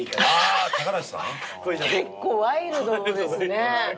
結構ワイルドですね。